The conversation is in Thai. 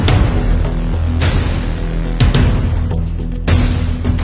สวัสดีครับ